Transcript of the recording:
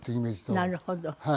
なるほど。